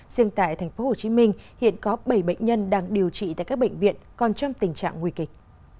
riêng tại tp hcm hiện có bảy bệnh nhân đang điều trị tại các bệnh viện còn trong tình trạng nguy kịch